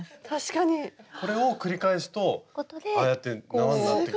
これを繰り返すとああやってなわになってった。